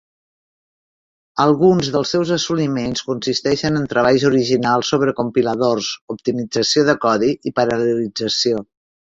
Alguns dels seus assoliments consisteixen en treballs originals sobre compiladors, optimització de codi i paral·lelització.